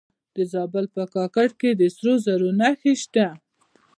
د زابل په کاکړ کې د سرو زرو نښې شته.